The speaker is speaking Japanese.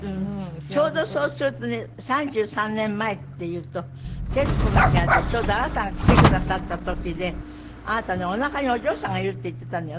ちょうどそうするとね３３年前っていうと『徹子の部屋』でちょうどあなたが来てくださった時であなたねおなかにお嬢さんがいるって言ってたのよ